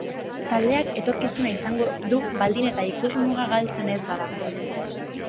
Taldeak etorkizuna izango du baldin eta ikusmuga galtzen ez bada.